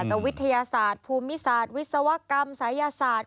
วิทยาศาสตร์ภูมิศาสตร์วิศวกรรมศัยศาสตร์